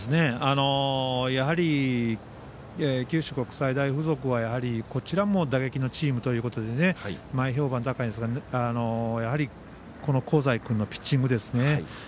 やはり九州国際大付属はこちらも打撃のチームということで前評判高いですがやはり香西君のピッチングですね。